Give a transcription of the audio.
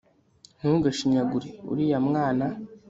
ntugashinyagure uriya mwana